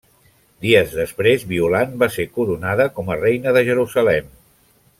Dies després, Violant va ser coronada com a Reina de Jerusalem.